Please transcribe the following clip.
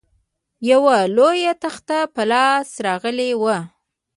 یوه لویه تخته په لاس راغلې وه.